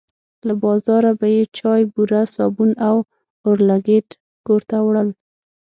له بازاره به یې چای، بوره، صابون او اورلګیت کور ته وړل.